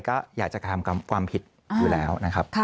ก็อยากจะกระทำความผิดอยู่แล้วนะครับ